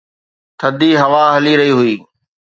ٿڌي هوا هلي رهي هئي